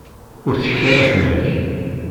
Ur tecfi ara fell-ak.